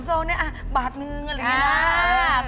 เออนี่๓ซองนี่๓ซองนี่อ่ะบาทหนึ่งอะไรอย่างนี้ล่ะ